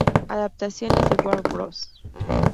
Adaptaciones de Warner Bros.